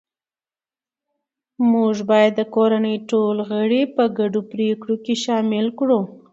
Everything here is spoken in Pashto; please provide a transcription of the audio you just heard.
موږ باید د کورنۍ ټول غړي په ګډو پریکړو کې شامل کړو